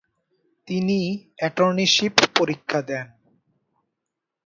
তিনি অ্যাটর্নীশিপ পরীক্ষা দেন।